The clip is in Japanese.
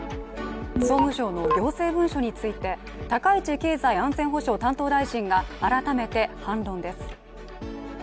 総務省の行政文書について高市経済安全保障担当大臣が改めて反論です。